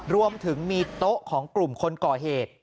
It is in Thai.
รวมถึงมีโต๊ะของกลุ่มคนก่อเหตุ